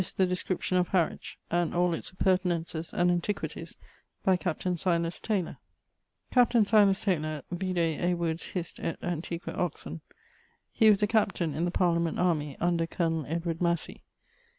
the description of Harwich and all its appurtenances and antiquities by capt. Silas Tayler. Captain Silas Tayler: vide A. Wood's Hist. et Antiq. Oxon. He was a captaine in the Parliament army, under col. Massey.